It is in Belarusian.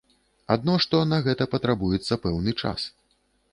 Адно што на гэта патрабуецца пэўны час.